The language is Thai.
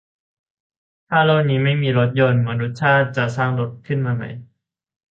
ถ้าโลกนี้ไม่มีรถยนต์ มนุษยชาติจะสร้างรถยนต์ขึ้นมาใหม่